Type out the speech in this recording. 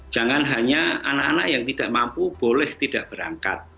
jangan hanya anak anak yang tidak mampu boleh tidak berangkat